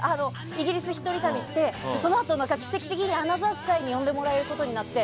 イギリス１人旅してそのあと奇跡的に「アナザースカイ」に呼んでもらえることになって。